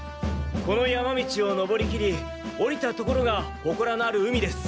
この山道を登りきり下りた所がほこらのある海です。